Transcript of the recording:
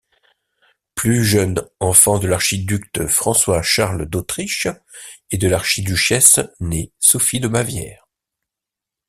Plus jeune enfant de l'archiduc François-Charles d'Autriche et de l'archiduchesse née Sophie de Bavière.